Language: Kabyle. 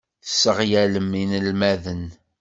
Tesseɣyalem inelmaden.